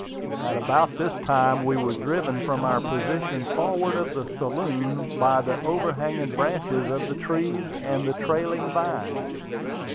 At about this time we were driven from our position forward of the saloon by the overhanging branches of the trees and the trailing vines.